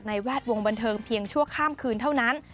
แวดวงบันเทิงเพียงชั่วข้ามคืนเท่านั้น